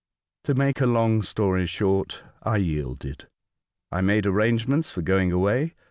To make a long story short, I yielded. I made arrangements for going away.